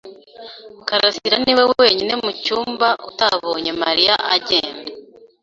karasira niwe wenyine mu cyumba utabonye Mariya agenda.